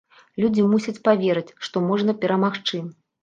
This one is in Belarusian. Людзі мусяць паверыць, што можна перамагчы.